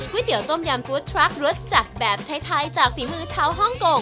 เตี๋ยต้มยำฟู้ดทรัครสจัดแบบไทยจากฝีมือชาวฮ่องกง